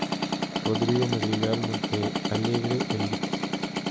Rodrigo Madrigal Montealegre, el Lic.